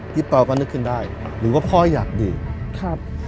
ปอลก็นึกขึ้นได้หรือว่าพ่ออยากดื่มครับ